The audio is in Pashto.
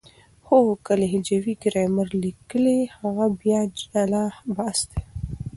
خو که لهجوي ګرامر ليکي هغه بیا جلا بحث دی.